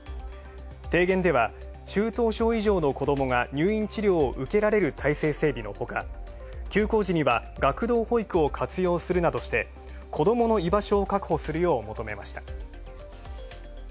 提言では、中等症以上の子どもが入院治療を受けられる態勢整備のほか休校時には学童保育を活用するなどして子どもの居場所を確保するよう求めました。